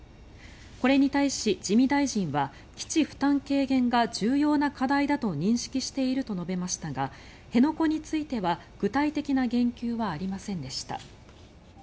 これに対し自見大臣は基地負担軽減が重要な課題だと認識していると述べましたが辺野古については具体的な言及はありませんでした。